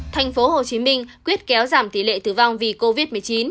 tp hcm quyết kéo giảm tỷ lệ tử vong vì covid một mươi chín